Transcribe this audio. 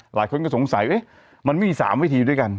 หลายคนก็สงสัยมันมี๓วิธีด้วยกัน